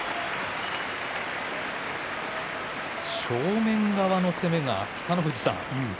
正面側の攻めが、北の富士さん